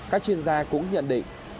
các chuyên gia cũng nhận định